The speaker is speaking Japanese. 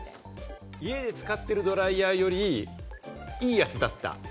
家で使ってるドライヤーよりいいやつだった。